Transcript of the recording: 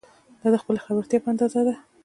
دا د خپلې خبرتیا په اندازه ده.